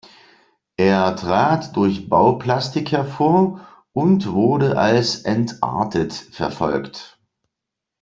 Er trat durch Bauplastik hervor und wurde als „entartet“ verfolgt.